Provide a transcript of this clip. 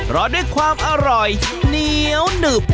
รอด้วยความอร่อยเหนียวหนึบ